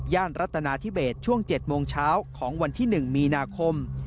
รัฐนาธิเบสช่วง๗โมงเช้าของวันที่๑มีนาคม